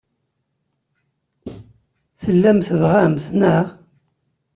Tellam tebɣam-t, naɣ?